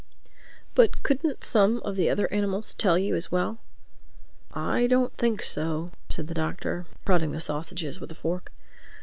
"But couldn't some of the other animals tell you as well?" "I don't think so," said the Doctor, prodding the sausages with a fork.